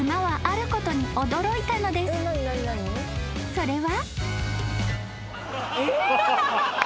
［それは］